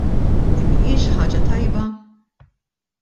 Li mhijiex ħaġa tajba?